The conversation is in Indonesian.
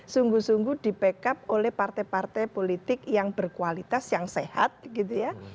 sungguh sungguh di backup oleh partai partai politik yang berkualitas yang sehat gitu ya